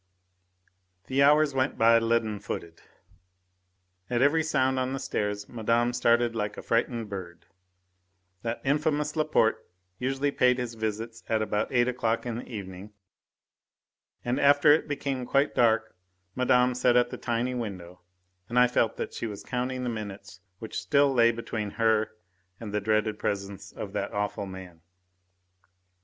The hours went by leaden footed. At every sound on the stairs Madame started like a frightened bird. That infamous Laporte usually paid his visits at about eight o'clock in the evening, and after it became quite dark, Madame sat at the tiny window, and I felt that she was counting the minutes which still lay between her and the dreaded presence of that awful man.